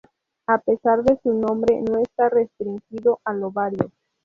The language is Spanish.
A pesar de su nombre, no está restringido al ovario.